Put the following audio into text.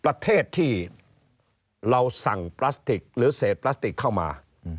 ประเทศที่เราสั่งพลาสติกหรือเศษพลาสติกเข้ามา